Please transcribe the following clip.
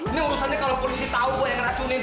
ini urusannya kalau polisi tahu gue yang racunin